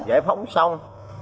giải phóng xong